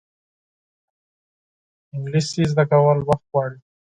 انګلیسي زده کول وخت غواړي